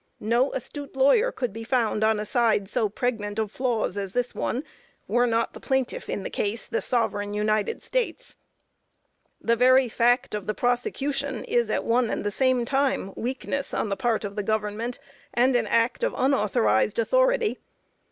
No astute lawyer could be found on a side so pregnant of flaws as this one, were not the plaintiff in the case, the sovereign United States. The very fact of the prosecution is at one and the same time weakness on the part of the government, and an act of unauthorized authority.